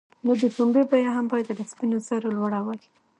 نو د پنبې بیه هم باید له سپینو زرو لوړه وای.